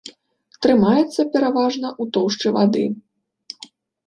Трымаецца пераважна ў тоўшчы вады.